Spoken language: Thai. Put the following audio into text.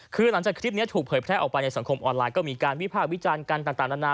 คือหลังจากคลิปนี้ถูกเผยแพร่ออกไปในสังคมออนไลน์ก็มีการวิภาควิจารณ์กันต่างนานา